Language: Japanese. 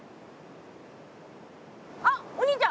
あっお兄ちゃん